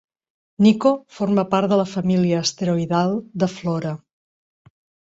Nikko forma part de la família asteroidal de Flora.